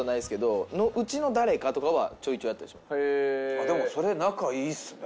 あっでもそれ仲いいっすね。